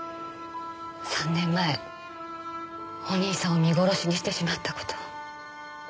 ３年前お兄さんを見殺しにしてしまった事を。